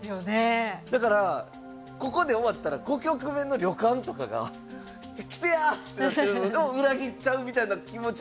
だからここで終わったら５局目の旅館とかが来てや！ってなってるのを裏切っちゃうみたいな気持ちも木村先生あるんですかね？